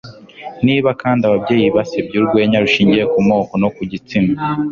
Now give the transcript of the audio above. niba kandi ababyeyi basebya urwenya rushingiye ku moko no ku gitsina